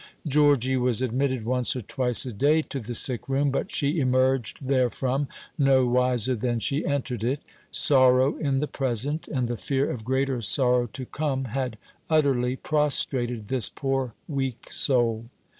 Georgy was admitted once or twice a day to the sick room; but she emerged therefrom no wiser than she entered it. Sorrow in the present, and the fear of greater sorrow to come, had utterly prostrated this poor weak soul.